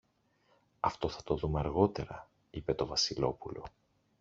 Αυτό θα το δούμε αργότερα, είπε το Βασιλόπουλο.